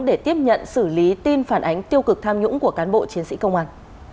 để tiếp nhận xử lý tin phản ánh tiêu cực tham nhũng của cán bộ chiến sĩ công an